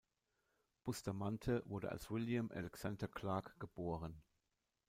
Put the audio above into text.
Bustamante wurde als William Alexander Clarke geboren.